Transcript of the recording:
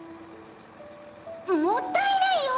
もったいないよ。